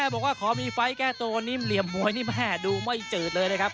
บอกว่าขอมีไฟล์แก้โตนิ่มเหลี่ยมมวยดูไม่จืดเลยนะครับ